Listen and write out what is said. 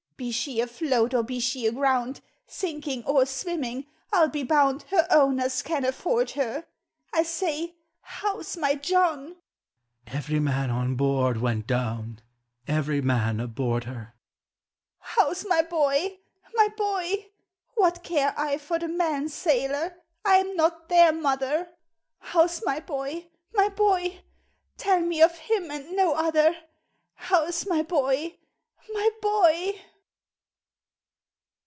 Be she atloat or be she aground, Sinking or Bwimming, I 'II be bound Her owners can afford her! I say, how 's my John ?"" Every man on board went down. Every man aboard her." "How's my boy — my boy? What care I for the men, sailor? I an not their mother — How 's my boy — my boy? Tell me of him and no other! How 's my bov — my boy?